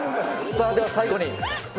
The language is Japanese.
さあでは、最後に。